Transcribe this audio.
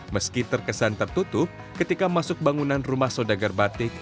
meski terkesan tertutup ketika masuk bangunan rumah saudagar batik